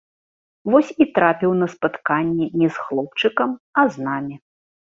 Вось і трапіў на спатканне не з хлопчыкам, а з намі.